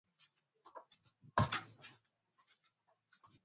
Na mara nyingi hii hufanyika hali kubwa ugomvi ambao hauzuii kuchoma